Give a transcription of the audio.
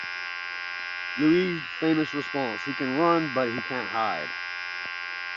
Louis' famous response: He can run, but he can't hide.